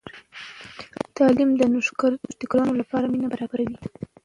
تعلیم د نوښتګرانو لپاره زمینه برابروي.